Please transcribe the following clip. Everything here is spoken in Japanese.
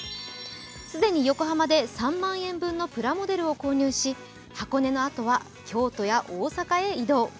既に横浜で３万円分のプラモデルを購入し箱根のあとは京都や大阪へ移動。